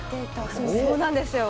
そうなんですよ。